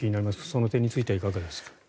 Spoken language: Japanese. その点についてはいかがですか？